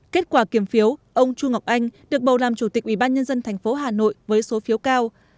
kết quả kiểm phiếu ông chu ngọc anh được bầu làm chủ tịch ủy ban nhân dân tp hà nội với số phiếu cao